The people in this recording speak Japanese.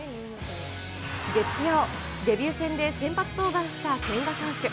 月曜、デビュー戦で、先発登板した千賀投手。